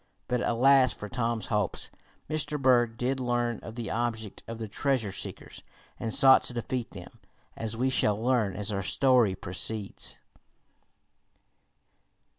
But alas for Tom's hopes. Mr. Berg did learn of the object of the treasure seekers, and sought to defeat them, as we shall learn as our story proceeds.